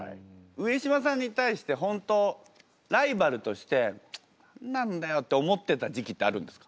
上島さんに対して本当ライバルとして「チッ何なんだよ！」って思ってた時期ってあるんですか？